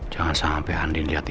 jangan sampai andi liat ini